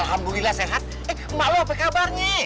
alhamdulillah sehat emak lo apa kabarnya